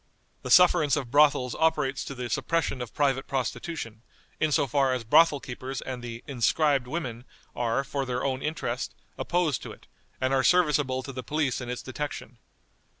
"The sufferance of brothels operates to the suppression of private prostitution, in so far as brothel keepers and the 'inscribed' women are, for their own interest, opposed to it, and are serviceable to the police in its detection.